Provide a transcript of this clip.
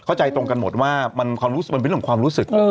เข้าใจตรงกันหมดว่ามันเป็นของความรู้สึก